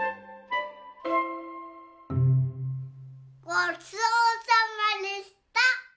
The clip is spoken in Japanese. ごちそうさまでした！